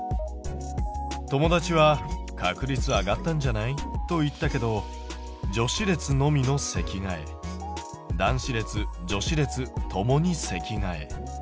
友達は「確率上がったんじゃない？」と言ったけど女子列のみの席替え男子列・女子列共に席替え。